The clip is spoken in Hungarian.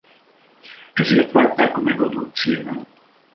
Ezért várták a megadott címen.